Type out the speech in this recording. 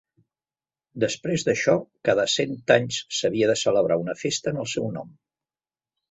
Després d'això cada cent anys s'havia de celebrar una festa en el seu nom.